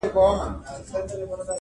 سېمابي سوی له کراره وځم,